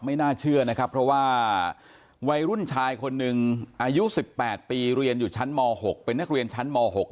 ไม่น่าเชื่อนะครับเพราะว่าวัยรุ่นชายคนหนึ่งอายุสิบแปดปีเรียนอยู่ชั้นม๖